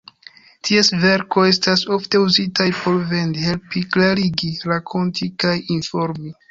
Ties verko estas ofte uzitaj por vendi, helpi, klarigi, rakonti kaj informi.